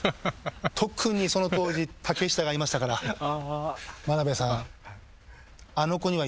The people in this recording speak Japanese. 特にその当時竹下がいましたから眞鍋さん。